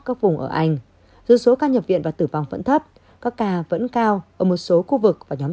các vùng ở anh dù số ca nhập viện và tử vong vẫn thấp các ca vẫn cao ở một số khu vực và nhóm